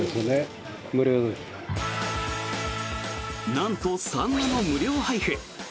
なんと、サンマの無料配布。